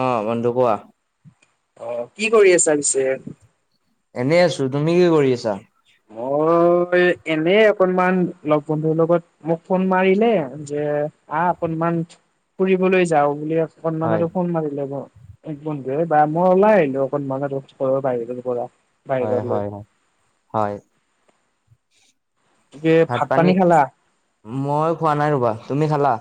অঁ বন্ধু কোৱা। অ কি কৰি আছা পিছে। এনেই আছো তুমি কি কৰি আছা। এনেই অকনমান লগ বন্ধুৰ লগত। মোক ফোন মাৰিলে যে আহ অকনমান ফুৰিবলৈ যাওঁ বুলি। হয় অকমানতো ফোন মাৰিলে ন। এক বন্ধ মই ওলাই আহিলো অকণমান বাহিৰৰ পৰা। হয়- বাহিৰলৈ হয় -হয়- হয়- ভাত পানী। মই খোৱা নাই ৰবা তুমি খালা।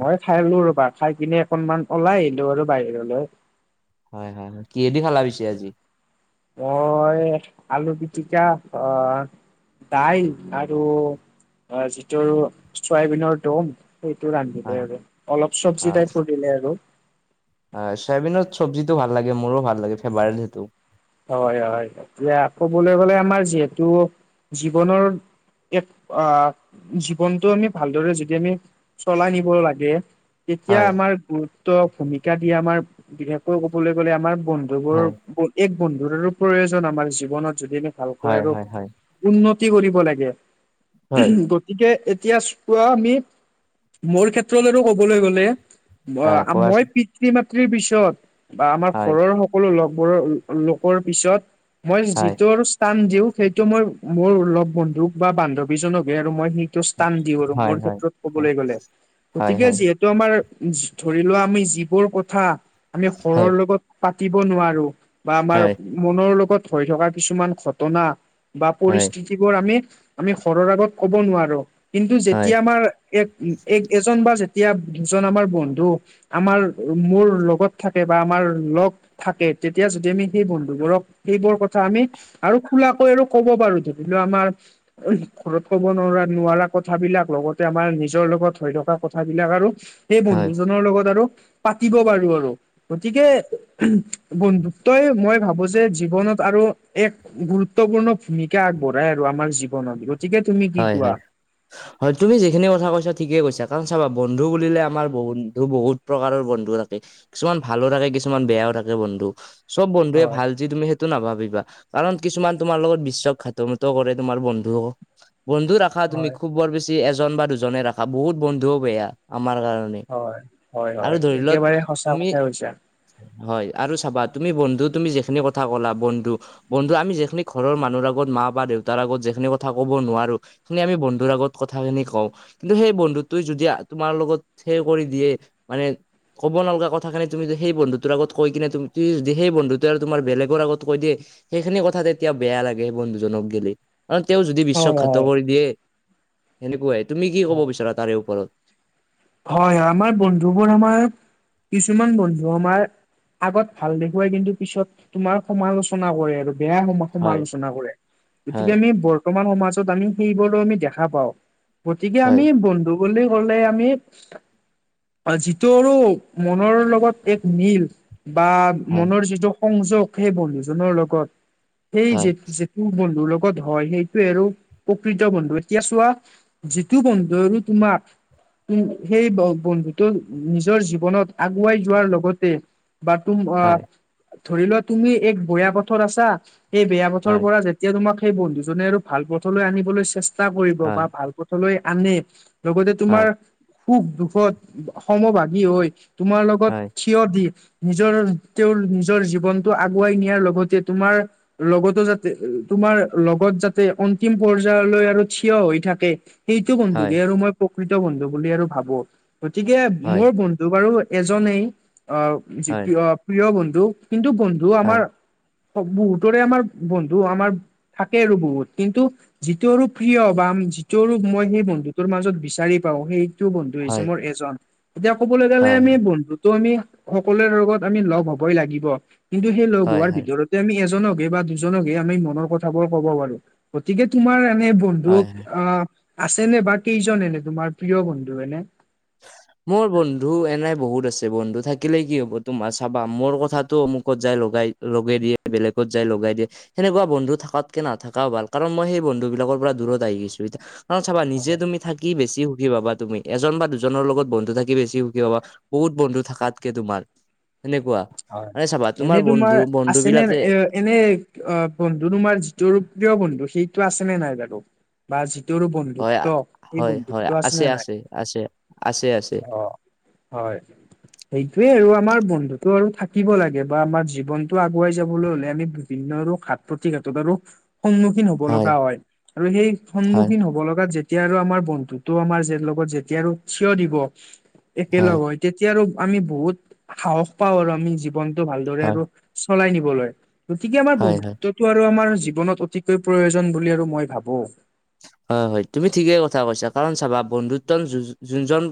মই খাইলো ৰবা খাই কিনে অকনমান ওলাই আহিলো আৰু বাহিৰলৈ হয় -হয় -হয়- কি দি খালা বিছে আজি। অ আলু পিটিকা অ। দাইল আৰু যিটো চয়াবিনৰ দম। সেইটো ৰান্ধিলে হয় আৰু অলপ হয় চব্জি তাইপৰ দিলে আৰু। হয় চয়াবিনত চব্জিতটোো ভাল লাগে মোৰো ভাল লাগে ফেভাৰট সেইটো। হয়- হয় -এতিয়া ক'বলৈ গ'লে আমাৰ যিহেতু জীৱনৰ। এক আ জীৱনটো আমি ভালদৰে যদি আমি চলাই নিব লাগে। তেতিয়া হয় আমাৰ গুৰুত্ব ভূমিকা দিয়া আমাৰ বিশেষকৈ কবলৈ গ'লে আমাৰ বন্ধু। বন্ধুবোৰ হয় এক বন্ধুৰো প্ৰয়োজন আমাৰ জীৱনত যদি আমি ভালকৈ হয় আৰু। হয় হয় উন্নতি কৰিব লাগে। হয় এতিয়া এতিয়া চোৱা আমি মোৰ ক্ষেত্ৰলৈতো ক'বলৈ গ'লে। হয় অ মই কোৱাচোন পিতৃ -মাতৃৰ পিছত বা আমাৰ হয় ঘৰৰ সকলো লগৰ। লোকৰ পিছত মই হয় যিটোৰ। টান দিওঁ সেইটো মই মোৰ অলপ বন্ধুক বা বান্ধৱীজনকে আৰু মই। টো স্থান দিওঁ আৰু হয় মোৰ হয় ক্ষেত্ৰত হয় ক'বলৈ গ'লে হয় গতিকে হয় যিহেতু। টো আমাৰ ধৰি লোৱা আমি যিবোৰ কথা আমি হয় শৰৰ লগত। পাতিব নোৱাৰো বা আমাৰ হয় মনৰ লগত হৈ থকা কিছুমান ঘটনা। বা হয় পৰিস্থিতিবোৰ আমি আমি ঘৰৰ আগত ক'ব নোৱাৰো কিন্তু হয় যেতিয়া আমাৰ। এক এক এজন বা যেতিয়া দুজন আমাৰ বন্ধু। আমাৰ মোৰ লগত থাকে বা আমাৰ লগ থাকে তেতিয়া। আমি সেই বন্ধুবোৰক সেইবোৰ কথা আমি আৰু খোলাকৈ আৰু কব পাৰো ধৰি লও আমাৰ। ঘৰত ক'ব নোৱাৰা-নোৱাৰা কথাবিলাক লগতে আমাৰ নিজৰ লগত হৈ থকা কথাবিলাক আৰু। সেই হয় বন্ধুজনৰ লগত আৰু পাতিব পাৰো আৰু গতিকে বন্ধু। তই মই ভাবো যে জীৱনত আৰু এক। গুৰুত্বপূৰ্ণ ভূমিকা আগবঢ়াই আৰু আমাৰ জীৱনত গ। হয় হয়। হয়, তুমি যিখিনি কথা কৈছা ঠিকেই কৈছা কাৰণ চাবা বন্ধু বুলিলে আমাৰ বন্ধু বহুত প্ৰকাৰৰ বন্ধু থাকে। কিছুমান ভালো থাকে কিছুমান বেয়াও থাকে বন্ধু চব বন্ধুুৱে ভাল যি তুমি সে। টো নাভাবিবা কাৰণ কিছুমান তোমাৰ লগত বিশ্বাস ঘাত মত কৰে তোমাৰ বন্ধুক বন্ধু। ৰাখা তুমি খুব বৰ বেছি এজন বা দুজনে ৰাখা বহুত বন্ধুও বেয়া আমাৰ কাৰণে। হয়, হয়, আৰু হয়, ধৰি লোৱা একেবাৰে সঁচা তুমি কথাই কৈছা হয়, আৰু চাবা তুমি বন্ধু তুমি যিখিনি কথা ক'লা বন্ধু। বন্ধু আমি যিখিনি ঘৰৰ মানুহৰ আগত মা বা দেউতাৰ আগত যিখিনি কথা ক'ব নোৱাৰো। নে আমি বন্ধুৰ আগত কথাখিনি কওঁ। কিন্তু সেই বন্ধুটোৱে যদি তোমাৰ লগত সেই কৰি দিয়ে মানে ক'ব নালগা কথাখিনি তুমি যে সেই বন্ধুটোৰ আগ কৈ কিনে তুমি যদি সেই বন্ধুটোৱে আৰু তোমাৰ বেলেগৰ আগত কৈ দিয়ে সেইখিনি কথা তেতিয়া বেয়া লাগে বন্ধুজনক গেলি। কাৰ তেওঁ যদি হয় বিশ্বঘাত হয় কৰি দিয়ে সেনেকুৱাই, তুমি কি ক'ব বিচাৰা তাৰে ওপৰত? হয়, হয় আমাৰ বন্ধুবোৰ আমাৰ কিছুমান বন্ধু আমাৰ আগত ভাল দেখুৱাই কিন্তু পিছত তোমাৰ সমালোচনা কৰে আৰু। বেয়া সমা হয় সমালোচনা কৰে হয় গতিকে আমি বৰ বৰ্তমান সমাজত আমি সেইবোৰো আমি দেখা পাওঁ, গতিকে হয় আমি বন্ধু বুলি কলে আমি যিটো আৰু মনৰ লগত এক মিল বা হয় মনৰ যিটো সংযোগ সেই বন্ধুজনৰ লগত সেই হয় যে যে কোন বন্ধুৰ লগত হয় সেইটোৱে আৰু প্ৰকৃত বন্ধু, এতিয়া চোৱা যিটো বন্ধু আৰু তোমাক উ, সেই বন্ধুটো নিজৰ জীৱনত আগুৱাই যোৱাৰ লগতে বা, তুম অ, হয় ধৰি লোৱা তুমি এক বেয়া পথত আছা সেই বেয়া পথৰ হয় পৰা যে যেতিয়া তোমাক সেই বন্ধু জনে আৰু ভাল পথলৈ আনিবলৈ চেষ্টা কৰিব হয় বা ভাল পথলৈ আনে লগতে তোমাৰ হয় সুখ দুখত সমভাগী হৈ তোমাৰ লগত হয় থিয় দি নিজৰ তেওঁৰ নিজৰ জীৱনটো আগুৱাই নিয়াৰ লগতে তোমাৰ লগতো যাতে তোমাৰ লগত যাতে অন্তিম পৰ্যায়লৈ আৰু থিয় হৈ থাকে সেইটো হয়, বন্ধুহে আৰু মই প্ৰকৃত বন্ধু বুলি আৰু ভাবো, গতিকে হয়, মোৰ বন্ধু বাৰু এজনেই আহ, যি, হয়, প্ৰিয় প্ৰিয় বন্ধু কিন্তু বন্ধু হয়, আমাৰ বহুতৰে আমাৰ বন্ধু আমাৰ থাকে আৰু বহুত, কিন্তু যিটো আৰু প্ৰিয় বা ৰূপ মই সেই বন্ধুটোৰ মাজত বিচাৰি পাওঁ সেইটো বন্ধু হৈছে হয়, মোৰ এজন। এতিয়া কবলৈ গ'লে হয়, আমি বন্ধুটো আমি সকলোৰে লগত আমি লগ হবই লাগিব। কিন্তু সেই লগ হয়, হোৱাৰ হয়, ভিতৰত আমি এজনকহে বা দুজনকহে আমি মনৰ কথাবোৰ ক'ব পাৰো, গতিকে তোমাৰ এনেই বন বন্ধু হয়, হয়। অ, আছেনে বা কেইজন এনে তোমাৰ প্ৰিয় বন্ধু এনে? [inaudible] মোৰ বন্ধু এনেই বহুত আছে বন্ধু থাকিলে কি হ'ব তোমাৰ চাবা মোৰ কথাটো অমুকত যায় লগাই লগাই দিয়ে বেলেগত যায় লগাই দিয়ে সেনেকুৱা বন্ধু থাকাতকে নাথাকা ভাল কাৰণ মই সেই বন্ধু বিলাকৰ পৰা দূৰত আহি গিছো এতিয়া কাৰণ চাবা নিজে তুমি থাকি বেছি সুখী পাবা তুমি এজন বা দুজ জনৰ লগত বন্ধু থাকি বেছি সুখী পাবা বহুত বন্ধু থাকাতকে তোমাৰ। সেনেকুৱা। হয়, মানে চাবা এনে বন্ধু তোমাৰ বন্ধু আছে নে, বিলাকে এ, এনেই অ, বন্ধু তোমাৰ যিটো প্ৰিয় বন্ধু সেইটো আছে নে নাই বাৰু? বা যিটোৰ হয়, বন্ধুত্ব সেই হয়, হয়, বন্ধুত্ব আছে, আছেনে নাই? আছে, আছে, আছে, আছে, অঁ। হয় সেইটোৱে আৰু আমাৰ বন্ধুত্ব টো আৰু থাকিব লাগে বা আমাৰ জীৱনটো আগুৱাই যাবলৈ হলে আমি বিভিন্ন আৰু ঘাত প্ৰতিঘাতত আৰু সন্মুখীন হ'ব লগা হয়, আৰু সেই হয়। সন্মুখীন হ'ব লগা যে তেতিয়া আৰু আমাৰ বন্ধুটো আমাৰ যে লগত যেতিয়া আৰু থিয় দিব হয়, একেলগ হৈ তেতিয়া আৰু আমি বহুত সাহস পাওঁ আৰু আমি জীৱনটো ভালদৰে হয়, আৰু চলাই নিবলৈ, গতিকে আমাৰ হয়, হয়, বন্ধুত্ব টো আৰু আমাৰ জীৱনত অতিকৈ প্ৰয়োজন বুলি আৰু মই ভাবো। হয় হয় তুমি ঠিকেই কথা কৈছা, কাৰণ চাবা বন্ধুত্ব য যোনজন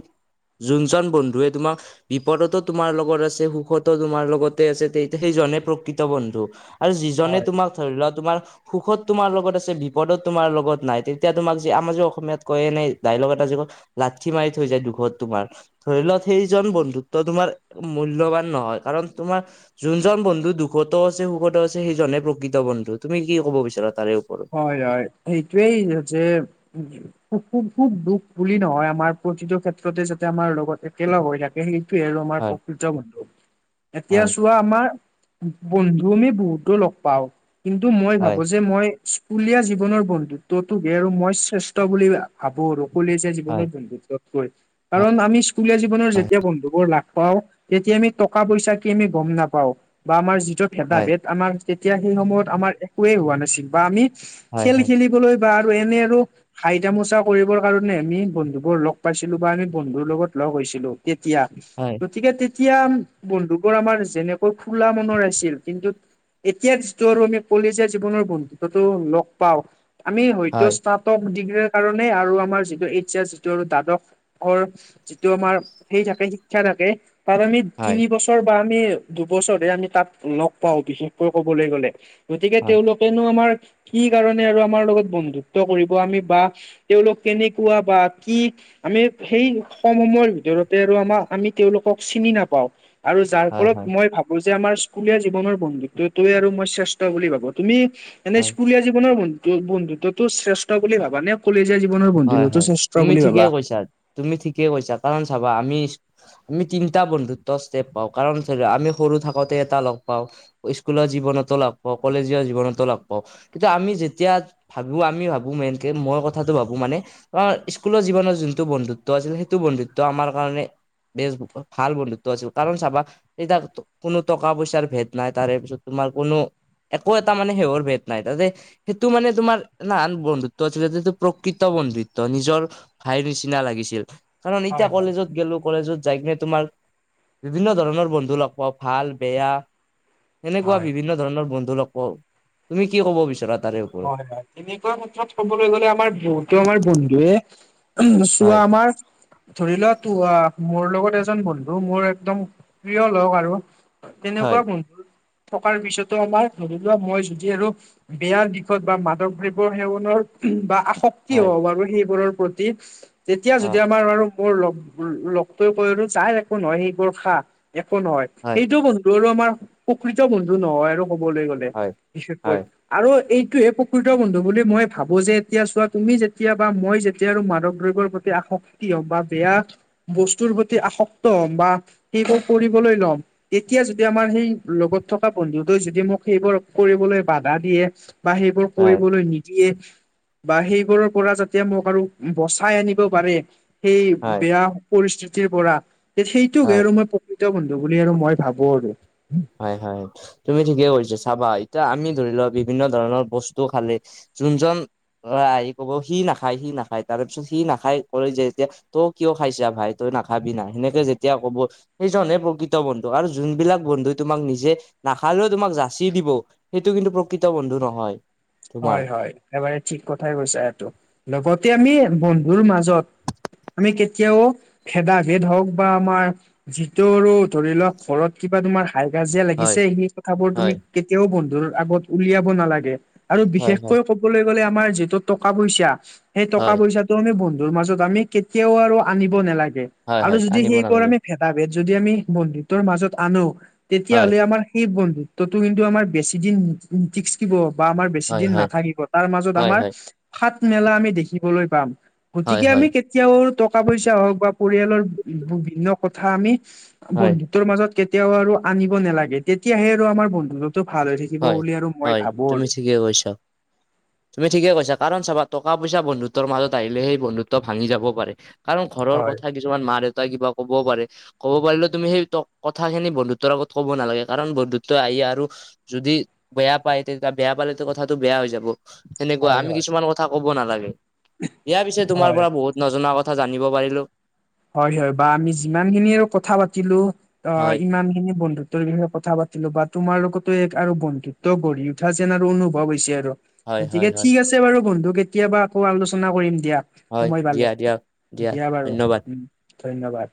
যোনজন বন্ধুৱে তোমাক বিপদতো তোমাৰ লগত আছে সুখতো তোমাৰ লগতে আছে তে সেইজনে প্ৰকৃত বন্ধু। আৰু যিজনে হয়। তোমাক ধৰি লোৱা তোমাৰ সুখত তোমাৰ লগত আছে বিপদত তোমাৰ লগত- নাই তেতিয়া তোমাক যে আমাৰ যে অসমীয়াত কয় এনে ডাইলগ এটা যে কয় লাঠি মাৰি থৈ যায় দুখত তোমাৰ- ধৰি লও সেইজন বন্ধুত্ব তোমাৰ মূল্যৱান নহয়, কাৰণ তোমাৰ- যোনজন বন্ধু দুখতো আছে সুখতো আছে সেইজনেে প্ৰকৃত বন্ধু। তুমি কি ক'ব বিচাৰা তাৰে ওপৰত? হয় হয়, সেইটোৱেই যে- সু সু সুখ দুখ বুলি নহয় আমাৰ প্ৰতিটো ক্ষেত্ৰতে যাতে আমাৰ লগতে- একেলগ হৈ থাকে সেইটোৱে আৰু আমাৰ হয় প্ৰকৃত বন্ধু। এতিয়া চোৱা- আমাৰ বন্ধু আমি বহুতো লগ পাওঁ, কিন্তু মই ভাবো যে মই- কুলীয়া জীৱনৰ বন্ধুত্বটো বে আৰু মই শ্ৰেষ্ঠ বুলি ভাবো আৰু কলেজীয়া জীৱনৰ বন্ধুত্ব- কাৰণ, আমি স্কুলীয়া জীৱনৰ যেতিয়া বন্ধুবোৰ লাগ পাওঁ- তেতিয়া আমি টকা পইচা কি আমি গম নাপাওঁ, বা আমাৰ যিটো ভেদা ভেদ আমাৰ- তেতিয়া সেই সময়ত আমাৰ একোৱেই হোৱা নাছিল বা আমি খেল খেলিবলৈ বা আৰু এনে আৰু- হাইটামোচা কৰিবৰ কাৰণে আমি বন্ধু বোৰ লগ পাইছিলো বা আমি বন্ধুৰ লগত লগ হৈছিলো তেতিয়া। গতিকে, তেতিয়া বন্ধুবোৰ আমাৰ যেনেকৈ খোলা মনৰ আছিল, কিন্তু- এতিয়া যিটো আৰু আমি কলেজীয়া জীৱনৰ বন্ধুত্বটো লগ পাওঁ, আমি হয়তো ষ্টাপ- টপ ডিগ্ৰীৰ কাৰণে আৰু আমাৰ যিটো এইচ এচ যিটো আৰু দ্বাদশৰ- যিটো আমাৰ সেই থাকে শিক্ষা থাকে, তাত আমি তিনি বছ- ছৰ বা আমি দুবছৰে আমি তাত লগ পাওঁ বিশেষকৈ কবলৈ গলে, গতিকে তেওঁলোক- কেনো আমাৰ কি কাৰণে আৰু আমাৰ লগত বন্ধুত্ব কৰিব আমি বা- তেওঁলোক কেনেকুৱা বা কি? আমি সেই কম সময়ৰ ভিতৰতে আৰু আমাৰ আমি তেওঁলোকক চিনি নাপাওঁ। আৰু যাৰ ফলত মই ভাব- যে আমাৰ স্কুলীয়া জীৱনৰ বন্ধুত টোয়ে আৰু মই শ্ৰেষ্ঠ বুলি ভাবো। তুমি- এনেই স্কুলীয়া জীৱনৰ বন্ধু বন্ধুত্বটো শ্ৰেষ্ঠ বুলি ভাবা নে? কলেজীয়া জীৱনৰ হয় বন্ধুতটো হয় শ্ৰেষ্ঠ তুমি বুলি ঠিকেই ভাবা। কৈছা তুমি ঠিকে কৈছা। কাৰণ চাবা আমি- আমি তিনিটা বন্ধুত্বৰ ষ্টেপ পাওঁ কাৰণ ধৰি লোৱা আমি সৰু থাকোতে এটা লগ পাওঁ, - স্কুলৰ জীৱনতো লাগ পাওঁ, কলেজীয়া জীৱনতো লাগ পাওঁ, - কিন্তু আমি যেতিয়া ভাবো আমি ভাবো মেইনকে, মই কথাটো ভাব- বো মানে কাৰণ স্কুলৰ জীৱনৰ যোনটো বন্ধুত্ব আছিল সেইটো বন্ধুত্ব আমাৰ কাৰণে- বেছ ভাল বন্ধুত্ব আছিল, কাৰণ চাবা- তেতিয়া কোনো টকা পইচাৰ ভেদ নাই, তাৰে পিছত তোমাৰ কোনো- একো এটা মানে শেহৰ ভেদ নাই, তাতে সেইটো মানে তোমাৰ নান বন্ধুত্ব আছিলে যিটো প্ৰ- কৃত্ব বন্ধোত্ব নিজৰ ভাইৰ নিচিনা লাগিছিল, কাৰণ এতিয়া হয় হয় কলেজত গলো কলেজত যাই কিনে- তোমাৰ বিভিন্ন ধৰণৰ বন্ধু লগ পাওঁ, ভাল বেয়া এনেকুৱা হয়। বিভিন্ন- ধৰনৰ বন্ধু লগ পাওঁ, তুমি কি ক'ব বিচাৰা তাৰে- ওপৰত হয় হয়, তেনেকুৱা ক্ষেত্ৰত কবলে গলে আমাৰ বহুতো আমাৰ বন্ধুৱে- উম' চোৱা হয় আমাৰ- ধৰি লোৱা, তো আহ মোৰ লগত এজন বন্ধু মোৰ একদম প্ৰিয় লগ আৰু- তেনেকুৱা হয় বন্ধু থকাৰ পিছতো আমাৰ ধৰি লোৱা মই যদি আৰু বেয়া দি- বা মাদক দ্ৰব্য সেৱনৰ বা আসক্তি হয় হব পাৰো সেইবোৰৰ প্ৰতি- তেতিয়া হয় যেতিয়া আমাৰ আৰু- মোৰ লগ লগটোৱে কলে নহয় যা একো নহয় এইবোৰ খা একো নহয়, - হয় সেইটো বন্ধু আৰু আমাৰ প্ৰকৃত বন্ধু নহয় আৰু কবলৈ গলে হয় বিশেষকৈ। হয় আৰু এই টোহে প্ৰকৃত বন্ধু বুলি মই ভাবো যে এতিয়া চোৱা তুমি যেতিয়া বা মই যেতিয়া আৰু মাদক দ্ৰব্যৰ প্ৰতি আস ক্তি হ'ম বা বেয়া বস্তুৰ প্ৰতি আসক্ত হ'ম বা সেইবোৰ কৰিবলৈ ল'ম তেতিয়া যদি আমাৰ সেই লগত থকা বন্ধুটোৱে যদি মোক সেইবোৰ কৰিবলৈ বাধা দিয়ে বা সেইবোৰ হয় কৰিবলৈ নি দিয়ে বা সেইবোৰৰ পৰা যাতে মোক আৰু বচাই আনিব পাৰে সেই হয় বেয়া পৰিস্থিতিৰ পৰা সেইটোকহে হয় আৰু মই প্ৰ কৃত বন্ধু বুলি আৰু মই ভাবো আৰু হয় হয় তুমি ঠিকেই কৰিছা চাবা এতিয়া আমি ধৰি লোৱা বিভিন্ন ধৰণৰ বস্তু খালে যোনজন অ আহি কব সি নাখায় সি নাখায় তাৰে পিছত সি নাখায় কৰে যে যেতিয়া তই কিয় খাইছা ভাই তই নাখাবি না সেনেকে যেতিয়া কব সেইজনহে প্ৰকৃত বন্ধু আৰু যোনবিলাক বন্ধু তোমাক নিজে নাখালেও তোমাক যাচি দিব সেইটো কিন্তু প্ৰকৃত বন্ধু নহয় তোমাৰ হয় হয় একেবাৰে ঠিক কথাই কৈছা এইটো লগতে আমি বন্ধুৰ মাজত আমি কেতিয়াও ভেদা ভেদ হওক বা আমাৰ যিটো আৰু ধৰি লোৱা ঘৰত কিবা তোমাৰ হাই কাজিয়া হয় লাগিছে সেই কথাবোৰ তুমি হয় কেতিয়াও বন্ধুৰ আগত উলিয়াব নালাগে। আৰু হয় হয় বিশেষকৈ ক'বলৈ গলে আমাৰ যিটো টকা পইছা সেই টকা হয় পইছা টো আমি বন্ধুৰ মাজত আমি কেতিয়াও আৰু আনিব নালাগে হয় আৰু হয় যদি আনিব সেইবোৰ নালাগে আমি ভেদ ভেদা-ভেদ যদি আমি বন্ধুত্বৰ মাজত আনো তেতিয়া হয় হ'লে আমাৰ সেই বন্ধু ত্বতো কিন্তু আমাৰ বেছি দিন নিটিকব বা আমাৰ বেছি হয় দিন হয় নাথাকিব তাৰ মাজত হয় আমাৰ হয় ফাট মেলা আমি দেখিবলৈ পাম হয় গতিকে হয় আমি কে কেতিয়াও টকা পইচা হওক বা পৰিয়ালৰ বিভিন্ন কথা আমি হয় বন্ধুতৰ মাজত কে তিয়াও আৰু আনিব নালাগে তেতিয়াহে আৰু আমাৰ বন্ধুত্বতো ভাল হৈ থা হয় হয় তুমি ঠিকে কৈছা তুমি ঠিকে কৈছা কাৰণ চাবা টকা পইছা বন্ধুত্বৰ মাজত আহিলে সেই বন্ধুত্ব ভাঙি যাব পাৰে কাৰণ ঘৰৰ হয় কথা কিছুমান মা দেউতাই কিবা ক'বও পাৰে ক'ব পাৰিলেও তুমি সেই কথাখিনি বন্ধুত্বৰ আগত ক'ব নালাগে কাৰণ বন্ধুত্ব আহি আৰু যদি বেয়া পায় তেতিয়া বেয়া পালেতো কথাটো বেয়া হৈ যাব সেনেকোৱা হয় আমি হয় কিছুমান ক থা কব নালাগে দিয়া পিছে তোমাৰ হয় পৰা বহুত নজনা কথা জানিব পাৰিলো হয় হয় বা আমি যিমানখিনিও কথা পাতিলো অ হয় সিমানখিনি বন্ধু ত্বৰ বিষয়ে কথা পাতিলো বা তোমাৰ লগতো এক আৰু বন্ধুত্ব গঢ়ি উঠা যেন আৰু অনুভৱ হৈছে আৰু। হয় গতিকে হয় হয় ঠিক আছে বাৰু বন্ধু কেতিয়াবা আকৌ আলোচনা কৰিম দিয়া। হয় সময় পালে দিয়া দিয়া দিয়া বাৰু ধন্যবাদ উম ধন্যবাদ।